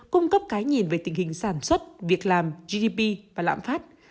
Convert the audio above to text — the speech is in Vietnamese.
cung cấp cái nhìn về tình hình sản xuất việc làm gdp và lãm phát